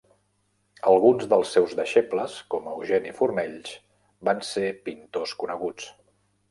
Alguns dels seus deixebles, com Eugeni Fornells, van ser pintors coneguts.